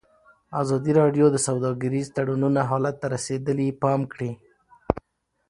ازادي راډیو د سوداګریز تړونونه حالت ته رسېدلي پام کړی.